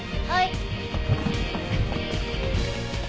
はい。